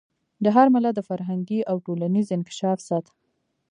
د هر ملت د فرهنګي او ټولنیز انکشاف سطح.